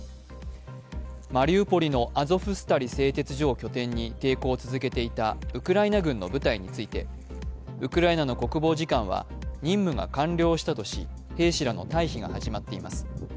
マリウポリのアゾフスタリ製鉄所を拠点に抵抗を続けていたウクライナ軍の部隊についてウクライナの国防次官は任務が完了したとし、兵士らの退避が始まっています。